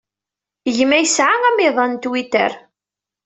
Gma yesɛa amiḍan n Twitter.